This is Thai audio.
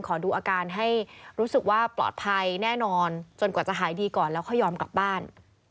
ขอดูอาการให้รู้สึกว่าปลอดภัยแน่นอนจนกว่าจะหายดีก่อนแล้วค่อยยอมกลับบ้าน